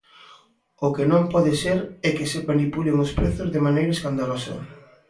O que non pode ser, é que se manipulen os prezos de maneira escandalosa.